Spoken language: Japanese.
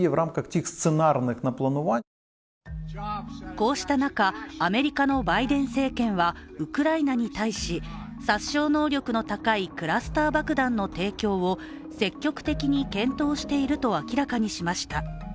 こうした中、アメリカのバイデン政権はウクライナに対し殺傷能力の高いクラスター爆弾の提供を積極的に検討していると明らかにしました。